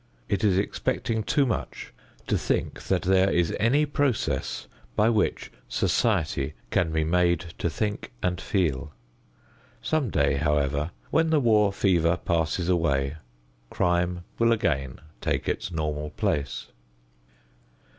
It is expecting too much to think that there is any process by which society can be made to think and feel. Some day, however, when the war fever passes away crime will again take its normal place.